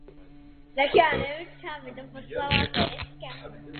To odráží naši dřívější rozpravu.